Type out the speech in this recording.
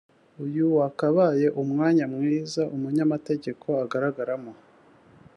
Uyu wakabaye umwanya mwiza umunyamategeko agaragaramo